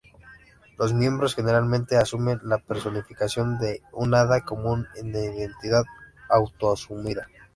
Los miembros generalmente asumen la personificación de un hada, como una identidad auto-asumida.